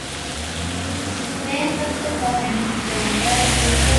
میں تب تک باہر نہیں جائو گا جب تک بارش نہیں رک جاتی۔